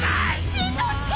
しんのすけ！